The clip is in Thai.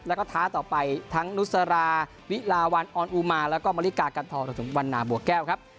แล้วก็ท้าต่อไปทั้งนุสราวิลาวันออนอุมาแล้วก็มริกากันทองรวมถึงวันนาบัวแก้วครับ